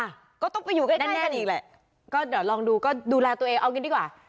อ่ะก็ต้องไปอยู่กันแน่นอีกแหละก็เดี๋ยวลองดูก็ดูแลตัวเองเอางี้ดีกว่า